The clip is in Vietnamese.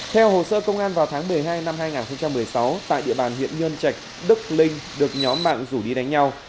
theo hồ sơ công an vào tháng một mươi hai năm hai nghìn một mươi sáu tại địa bàn huyện nhân trạch đức linh được nhóm bạn rủ đi đánh nhau